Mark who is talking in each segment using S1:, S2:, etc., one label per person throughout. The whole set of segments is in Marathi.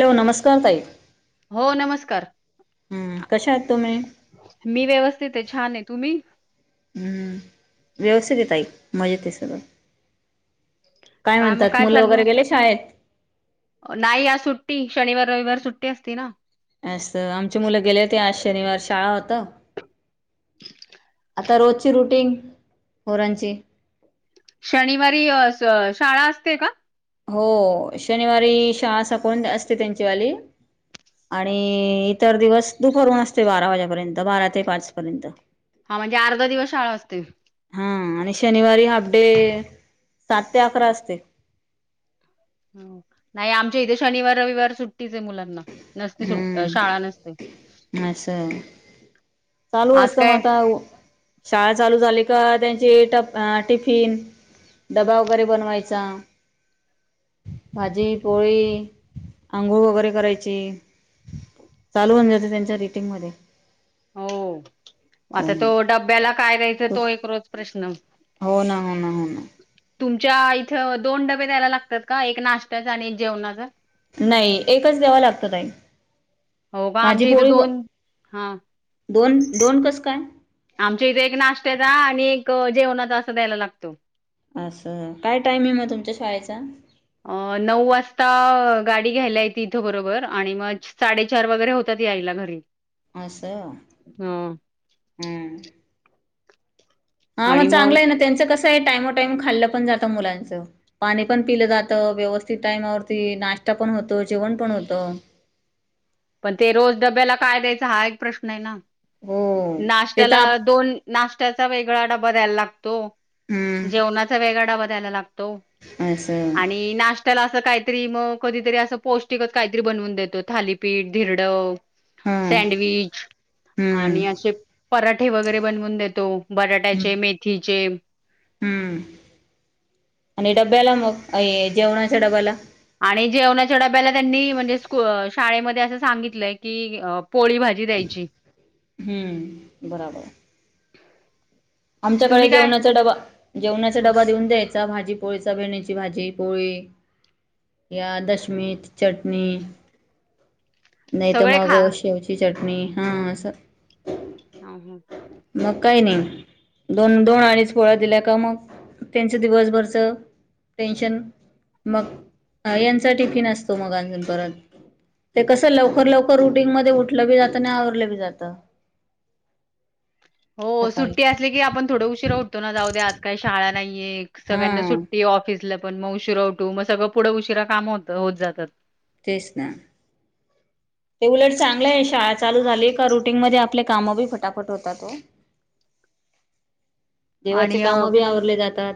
S1: हॅलो नमस्कार ताई
S2: कर
S1: हम् कशया आहात तुम्ही
S2: मी व्यवस्थित आहे, छान आहे. तुम्ही?
S1: हम् व्यवस्थित ताई मजेत आहे सगळं करा काय म्हणतात मुलं वगैरे गेले शाळेत
S2: अ नाही आज सुट्टी शनिवार रविवार सुट्टी असते ना
S1: अस आमचे मुलं गेले होते आज शनिवार शाळा होत आता रोजची रुटींन पोरांची
S2: शनिवारी अ स शाळा असते का?
S1: हो शनिवारी शाळा सकळुन असते त्यांची वाली आणि इतर दिवस दुपरून असते बारा वाजेपर्यंत बारा ते पाच पर्यंत
S2: हा म्हणजे अर्धा दिवस शाळा असते
S1: हा आणि शनिवारी हाफडे सात ते अकरा असते
S2: नाही आमच्या इथे शनिवार रविवार सुट्टीच आहे मुलांना नसते सुट अ, शाळा नसते.
S1: हम्म अस चालू
S2: आज
S1: असतं
S2: काय
S1: मग आता शाळा चालू झाली का त्यांची टफ टिफिन डबा वगैरे बनवायचा भाजी पोळी अंघोळ वगैरे करायची चालू होऊन जाते त्यांच्या रीटिंग मध्ये
S2: हो आता तो डब्याला काय द्यायचं तो एक रोज प्रश्न
S1: हो ना हो ना हो ना
S2: तुमच्याअ इथं दोन डबे द्यायला लागतात का एक नाशत्याचा आणि एक जेवणाचा
S1: नाई एकच द्यावा लागतो ताई
S2: हो बा
S1: भाजी
S2: आमच्या इथ
S1: पोळी
S2: दोन हा
S1: दोन दोन कसं काय?
S2: आमच्या इथे एक नाशत्याचा आणि एक अ जेवणाचा असं द्यायला लागतो
S1: असं काय टाइम आहे मग तुमच्या शाळेचा
S2: अ नऊ वाजता अ गाडी घ्यायला येती इथं बरोबर आणि मग छ साडेचार वगैरे होतात याईला घरी
S1: आस
S2: हं.
S1: हम्म हां मग चांगलयेना त्यांचं कसं आहे टाईमो टाईम खाल्लं पण जात त मुलांचं पाणी पण पिलं जातं, व्यवस्थित टायमावरती नाश्ता पण होतो जेवण पण होतो.
S2: पण ते रोज डब्याला काय द्यायचं हा एक प्रश्न आहे ना?
S1: हो ते तर
S2: नाश्त्याला
S1: आप
S2: दोन ना श्त्याचा वेगळा डबा द्यायला लागतो.
S1: हम्म
S2: जेवणाचा वेगळा डबा द्यायला लाग तो
S1: असं
S2: आणि नाश्त्याला असं काहीतरी म कधीतरी असं पौष्टिकच काहीतरी बनवून देतो थाली पीठ, धिरडं
S1: हा हम्म
S2: सँडविच आणि अशे पराठे वगैरे बनवूण देतो.
S1: हम्म
S2: बटाट्याचे मेथीचे
S1: हम्म आणि डब्याला मग अय जेवणाच्या डब्याला
S2: आणि जेवणाच्या डाब्याला त्यांनी म्हणजे स्कुअ शाळेमध्ये असं सांगितलंय की अ पोळी भाजी द्यायची.
S1: हम्म बराबर आमच्याकडे
S2: तुम्ही काय
S1: जेवणाचा डबा, जेवणाचा
S2: हं,
S1: डबा देऊन देत [unintelligible] नाही तर
S2: सगळे
S1: मग
S2: खा
S1: शेवचीच चटणी हा अस
S2: ह हम.
S1: मग काही नाही दोन-दोन अडीच पोळ्या दिल्या का मग त्यांच दिवसभरच टेन्शन मग यांचा टिफिन असतो, मग अजून परत ते कसं लवकर-लवकर रुटिंग मध्ये उठलं बी जात आणि आवरलं बी जात.
S2: हो सुट्टी असली की आपण थोड उशीरा उठतो ना जाऊ द्या आज काही शाळा नाहीये
S1: हा
S2: सगळ्यांना सुट्टी ऑफिस ला पण मग उशीरा उठू मग सगळं पुढे उशीरा काम होत होत जातात.
S1: तेच ना. ते उलट चांगलं आहे. शाळा चालू झाली का रुटीन मध्ये आपले काम बी फटाफट होतात ओ. देवाची
S2: आणि अ,
S1: काम बी आवरले जातात,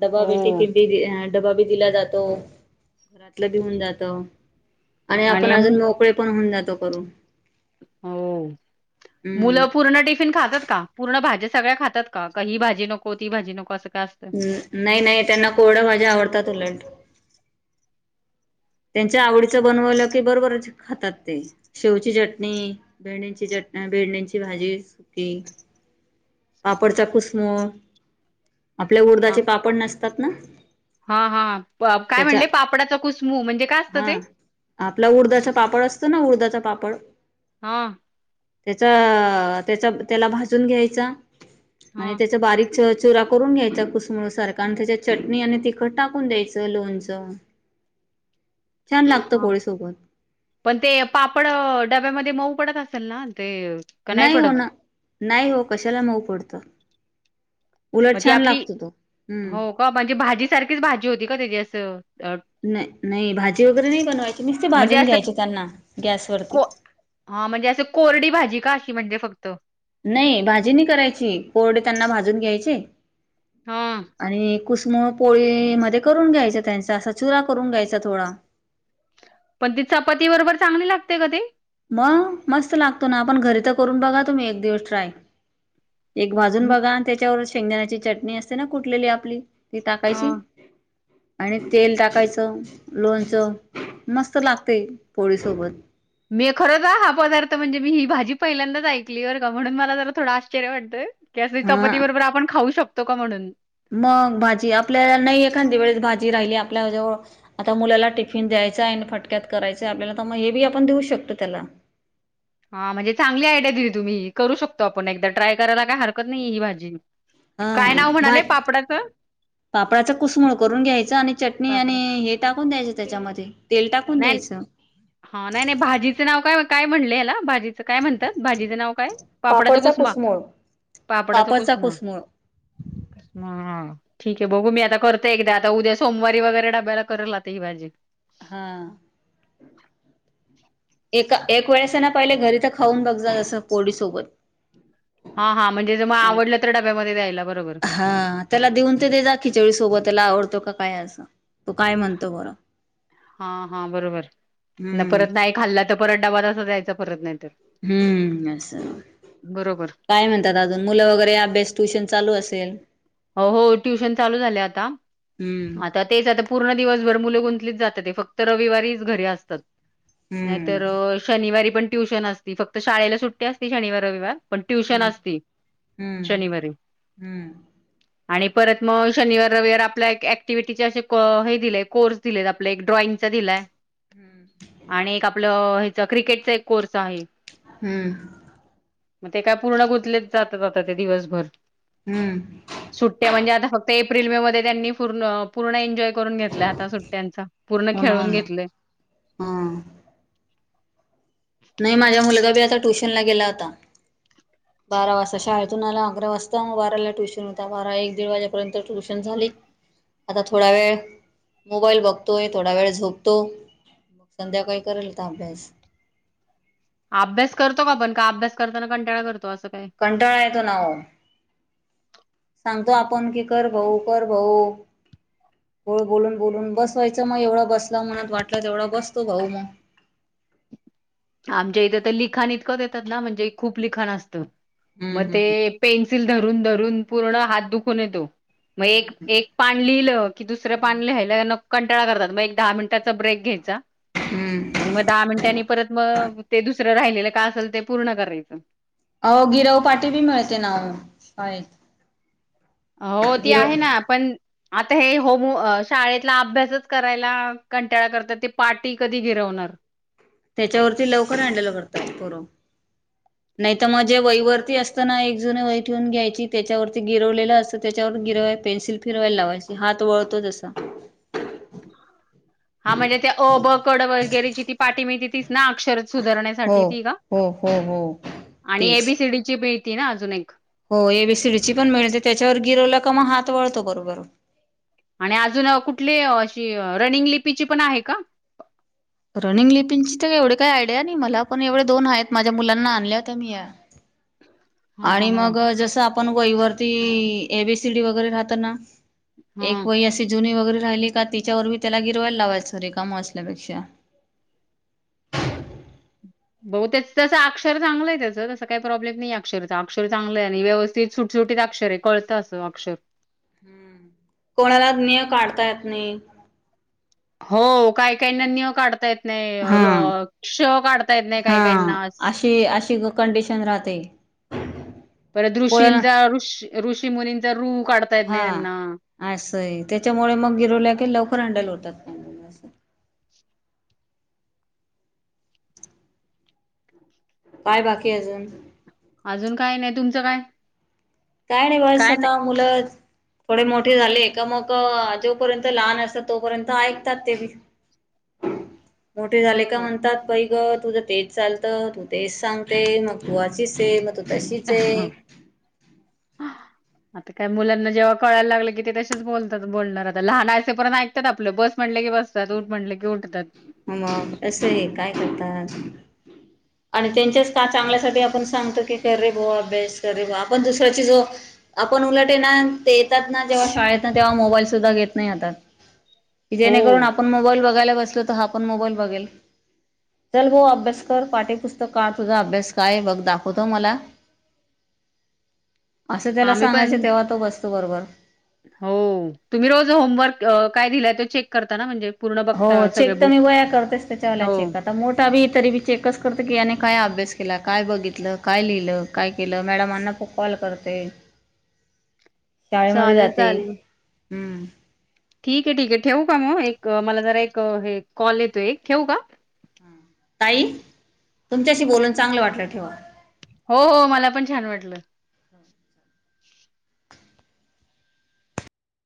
S1: डबा बी
S2: हो
S1: टिफिन बी डबा बी दिला जातो, घरातलं भि होऊन जात. आणि आपण अजून मोकळे होऊन जातो करून
S2: हो
S1: हम्म
S2: मुलं पूर्ण टिफिन खातात का. पूर्ण भाज्या सगळ्या खातात का. ही भाजी नको. ती भाजी नको. असं काय असतं?
S1: ् नाही-नाही त्यांना कोरड्या भाज्या आवडतात उलड. त्यांच्या आवडीचं बनवलं की बरोबर खातात ते. शेवची चटणी भेंडींची चटनी भेंडींची भाजी सुकी. पापडचा कुसमू आपल्या उडधाचे पापड नसतात ना
S2: हा- हा काय
S1: त्याचा
S2: म्हणले पापडाच कुसमू म्हणजे काय असतं ते?
S1: हा. आपला उडदाचा पापड असतो ना उडदाचा
S2: [inaudible] हा
S1: तेच-तेच त्याला भाजून घ्यायच आणि
S2: हां.
S1: त्याच बारीक च. चुरा करून घ्यायचा कुसमुळ सारखा आणि त्याच्या चटणी आणि तिखट टाकून द्यायचं लोणच
S2: हा [inaudible] पण ते पापड अ डब्यामध्ये ते मऊ पडत असेल ना? ते का
S1: नाही हो
S2: पडत
S1: ना -नाही हो कशाला मऊ पडत
S2: मग ती आपली हो
S1: हम्म
S2: -का म्हणजे भाजी सारखीच भाजी होती का ते अस [inaudible]
S1: नाही नाही भाजी वगैरे नाही बनवायची नुसते
S2: म्हणजे
S1: भाजून
S2: असं
S1: घ्यायचे त्यांना
S2: [inaudible]
S1: गॅसवरती
S2: हा म्हणजे अस को - कोरडी भाजी का? की म्हणजे फक्त
S1: नाही भाजी नाही करायची कोरडे त्यांना भाजून घ्यायचे
S2: हा
S1: [inaudible] आणि कुसमूळ पोळी मध्ये करून घ्यायच त्यांचा असा चुरा करून घ्यायचा थोडा
S2: पण ती चपती बरोबर चांगली लागते का ती
S1: मग मस्त लागतो ना आपण घरी तर करून बघा तुम्ही एक दिवस ट्राय एक भाजून
S2: हं.
S1: बघा त्याच्यावर शेंगणाची चटणी असते ना कुठलेली आपली ते
S2: हा
S1: टाकायची आणि तेल टाकायचं, [inaudible] लोणचं मस्त लागते पोळीसोबत
S2: मी खरच हा पदार्थ म्हणजे मी ही भाजी पहिल्यांदाच ऐकली बर का म्हणून मला जरा थोडं आश्चर्य वाटतंय कि अशी चपाती
S1: हा
S2: बरोबर आपण खाऊ शकतो तो का म्हणून
S1: मग भाजी आपल्याला नाही एखाद्या वेळेस भाजी राहिली आपल्या जवळ आता मुलाला टिफिन द्यायच आहे फटक्यात करायच आपल्याला तर मग हे बी आपण देऊ शकतो त्याला
S2: हा म्हणजे चांगली आयडिया दिली तुम्ही करू शकतो आपण एकदा ट्राय करायला ला
S1: हा
S2: नाव
S1: भ
S2: म्हणाले पापडाचं?
S1: -पापळाच कुसमळ करून घ्यायच आणि चटणी आणि
S2: पापड
S1: हे टाकून द्यायच त्याच्यामध्ये तेल टाकून
S2: नाही-
S1: द्यायचं
S2: हा नाही -नाही भाजीचं नाव काय? काय म्हणले याला भाजीचं काय म्हणतात भाजीचं नाव काय? पापडाचा
S1: पापडचा
S2: कुसमा
S1: कुसमूळ
S2: -पापडाचा
S1: पापडचा
S2: कुसमा
S1: कुसमूळ
S2: कुसमा.. ठीक आहे बघू मी आता करते एकदा आता उद्या सोमवारी वगैरे डाब्याला करल आता ही भाजी
S1: हा.. एका -एक वेळेस ना पहिले घरी तर खाऊन बघ जा असस पोळी सोबत
S2: हा -हा म्हणजे ज मग आवडलं तरडब्यामध्ये द्यायच
S1: हा त्याला देऊन ते दे जा खिचडी सोबत त्याला आवडत तो का काय असं तो काय म्हणतो बरं
S2: हा हा बरोबर न
S1: हम्म
S2: परत नाही खाल्ला तर परत डब्बा असच यायच परत नाही तर.
S1: हम्म अस
S2: बरोबर
S1: काय म्हणतात अजून मुलं वगैरे अभ्यास ट्युशन चालू असत तन [inaudible]
S2: हो हो ट्युशन चालू झाले आता
S1: हम्म
S2: आता तेच आता पूर्ण दिवसभर मुलं गुनतात जात फक्त रविवारीच घरी असतात
S1: हम्म
S2: नाहीतर शनिवारी पण ट्युशन असती फक्त शाळेला सुट्टी असती शनिवार रविवार पण ट्युशन
S1: हम्म
S2: असती
S1: हम्म
S2: शनिवारी
S1: हम्म
S2: आणि परत मग शनिवार रविवार आपल्या एक ऍक्टिव्हटीचे असे हे दिलेय कोर्स दिलेत आपला एक ड्रॉइंगचा दिलाय आणि एक आपलं क्रिकेटचा एक कोर्स आहे
S1: हम्म
S2: मग ते काय पूर्ण गुंतले जात जात ते दिवसभर
S1: हम्म
S2: सुट्ट्या म्हणजे आता फक्त एप्रिल मे मध्ये त्यांनी पूर्ण पूर्ण एन्जॉय करून घेत घेतलंय तलाय आता सुट्ट्यांचा पूर्ण
S1: हो ना हो
S2: खेळून
S1: ना
S2: घेतले
S1: हा नाही माझ्या मुलगा बी आता ट्युशनला गेला होता बारा वाजता शाळेतून आला अकरा वाजता बाराला ट्युशन होता बारा एक दीड वाजेपर्यंत ट्युशन झाली आता थोडा वेळ मोबाईल बघतोय थोडा वेळ झोपतो संध्याकाळी करेलता अभ्यास
S2: अभ्यास करतो का आपण का अभ्यास करताना कंटाळा करतो असं काय
S1: कंटाळा येतो नाव
S2: [inaudible]
S1: सांगतो आपण की कर भाऊ कर भाऊ गोड बोलून बोलून बसवायचं मग एवढा बसला मनात वाटलं तेवढा बसतो भाऊ मग
S2: आमच्या इथे तर लिखाण इतकंच येतात ना म्हणजे खूप लिखाण असतं
S1: हम्म
S2: मग
S1: हम्म
S2: ते पेन्सिल धरून धरून पूर्ण हात दुखून येतो मग एक
S1: हम्म
S2: एक पान लिहिलं की दुसरं
S1: हम्म.
S2: पान लिहायला नको कंटाळा करतात मग एक दहा मिनटचा ब्रेक घ्यायचा
S1: हम्म
S2: आणि मग दहा मिनटांनी परत अ ते दुसरं राहिलेला असेल ते पूर्ण करायचं
S1: हो गिरव पाटी बी म्हणते नाव हाय
S2: अहो ती आहे ना पण आता हे होम शाळेतला अभ्यासच करायला कंटाळा करतात ते पा्टी कधी घिरवणार
S1: त्याच्यावरती लवकर हँडल करतात करून नाहीतर मंग जे वहीवरती असत, ना एक जुनी वही ठेवून घ्यायची त्याच्यावर गिरवलेलं असतं त्याच्यावरती गिरवायला पेन्सिल फिरवायला लावायची हात वळतो तसा
S2: हा म्हणजे ते अबकड वगैरेची ती पाटी मिळते ती ना अक्षर
S1: हो
S2: सुधारण्यासाठी ती का
S1: हो हो हो.
S2: आणि
S1: तेच
S2: एबीसीडी ची बी तीना अजून एक
S1: हो एबीसीडीची पण मिळते, त्याच्यावर गिरवला का म हात वळतो लगेच बरोबर.
S2: आणि अजून
S1: रनिंग लिपिंगची तर एवढी काय? आयडिया नाही, मला एवढे दोन आहेत. माझ्या मुलांना आणल्या होत्या, मी या या.
S2: हा हा
S1: आणि
S2: हा
S1: मग जसा पण वही वरती एबीसीडी वगैरे राहतं ना
S2: हा
S1: एक वही अशी जुनी वगैरे राहिली का तिच्यावर मी त्याला गिरवायला लावायचं रिकामा असल्यापेक्षा
S2: बहुतेक त्याचा अक्षर चांगले त्याचं तसं काय प्रॉब्लेम नाही अक्षराचा अक्षर चांगले, तस व्यवस्थित सुटसुटीत अक्षर कळतं असं अक्षर.
S1: कोणाला ज्ञ काढता येत नाही.
S2: हो. काय काय ना, ज्ञ काढता येत नाही
S1: हा
S2: क्ष काढता येत नाही. काय काय
S1: हा
S2: ना?
S1: अशी अशी कंडिशन राहते.
S2: परत
S1: कोणाला
S2: ऋषींचा ऋषी ऋषी मुनींचा रूप
S1: हा आसये त्याच्यामुळे मग गिरवलं का लवकर [unintelligible] काय बाकी अजून?
S2: अजून काय नाही, तुमचं काय?
S1: काय ना ही? बसं आता मुलं थोडे मोठे झाले का मग जोपर्यंत लहान आसतात. तोपर्यंत ऐकतात ते बी मोठे झाले का
S2: हो
S1: म्हणत, पैक ग तुझं तेच चालत तू तेच सांगते. मग तू अशी च हा मग त तशीच ये.
S2: आता काय मुलांना जेव्हा कळायला लागलं, की ते तसेच बोलतात. बोलणार आता लहान असे पर्यंत ऐकतात. आपलं बस म्हटले की बसतात उठ म्हटले की उठतात.
S1: ह असं आहे काय करतात. आणि त्यांच्याच का चांगल्यासाठी आपण सांगत, की कर रे बो अभ्यास कर. रे ब आपण दुसऱ्याची जो आपण उलट आहे ना ते येतात, ना जेव्हा शाळेत ना तेव्हा मोबाईल सुद्धा घेत नाही हातात.
S2: हो
S1: जेणेकरून आपण मोबाईल बघायला बसलो. [unintelligible] आपण मोबाईल बघेल चल बो अभ्यास कर पाटी पुस्तक काढ. तुझा अभ्यास काय बघ दाखवतो मला? असं त्याला
S2: आम्ही
S1: सांगायचं
S2: पण
S1: तेव्हा तो बसतो बरोबर
S2: हो तुम्ही रोज होमवर्क काय दिलाय? ते चेक करताना म्हणजे? पूर्ण
S1: हो
S2: बघता
S1: चेक
S2: सगळे
S1: तर मी
S2: बुक?
S1: वह्या करतेच त्याच्याला
S2: हो.
S1: चेक आता मोठा बी तरी बी चेकच करते त्याने काय अभ्यास तिला काय बघितलं काय लिहिलं? काय केला? मॅडमांना फोन कॉल करते. शाळेमध्ये
S2: चालेल,
S1: जाते.
S2: चालेल.
S1: हम्म!
S2: ठीक आहे ठीक आहे! ठेवू का मग एक मला जरा एक हे कॉल येतोय. एक ठेवू का
S1: ताई तुमच्याशी बोलून चांगलं वाटलं ठेवा.
S2: हो हो मला पण छान वाटलं